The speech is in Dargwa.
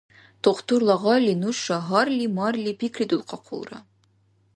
Тухтурла гъайли нуша гьарли-марли пикридулхъахъулра.